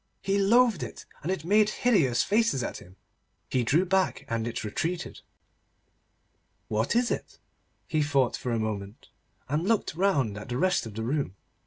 He loathed it, and it made hideous faces at him. He drew back, and it retreated. What is it? He thought for a moment, and looked round at the rest of the room.